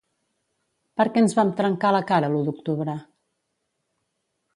Per què ens vam trencar la cara l’u d’octubre?